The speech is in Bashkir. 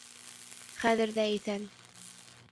Хәҙер ҙә иҫән.